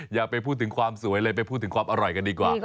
อย่าไปพูดถึงความสวยเลยไปพูดถึงความอร่อยกันดีกว่า